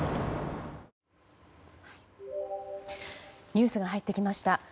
ニュースが入ってきました。